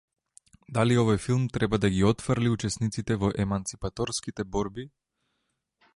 Дали овој филм треба да ги отфрли учесниците во еманципаторските борби?